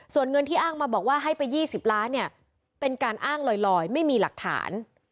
ส่วนเงินที่อ้างมาบอกว่าให้ไป๒๐ล้านเนี่ยเป็นการอ้างลอยไม่มีหลักฐาน